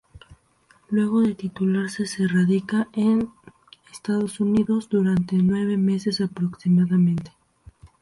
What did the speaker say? Luego de titularse se radica en Estados Unidos durante nueve meses aproximadamente.